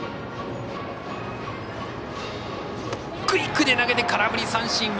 クイックで投げて空振り三振！